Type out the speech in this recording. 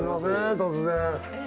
突然。